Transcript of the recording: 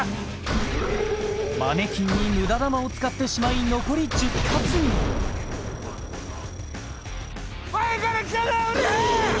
マネキンに無駄弾を使ってしまい残り１０発に前から来たぞウルフ！